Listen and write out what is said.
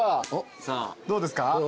どうですか？